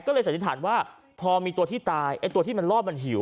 ก็เลยสันนิษฐานว่าพอมีตัวที่ตายไอ้ตัวที่มันรอดมันหิว